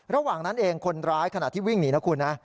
ระหว่างนั้นเองคนร้ายขณะที่วิ่งหนีนะคุณนะ